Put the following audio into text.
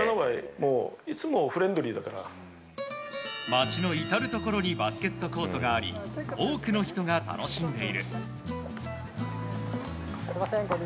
街の至るところにバスケットコートがあり多くの人が楽しんでいる。